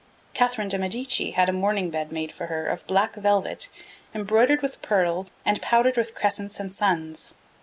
Catherine de Medicis had a mourning bed made for her 'of black velvet embroidered with pearls and powdered with crescents and suns.'